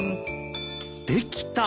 できた！